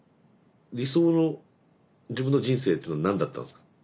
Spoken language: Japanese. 理想の自分の人生というのは何だったんですか。